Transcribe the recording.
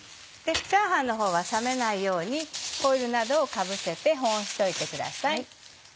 チャーハンのほうは冷めないようにホイルなどをかぶせて保温しといてください。